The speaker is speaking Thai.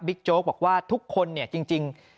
โจ๊กบอกว่าทุกคนเนี่ยจริง